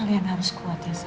kalian harus kuat ya